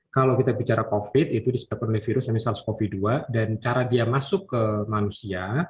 kalau kita bicara covid itu disebabkan oleh virus sars cov dua dan cara dia masuk ke manusia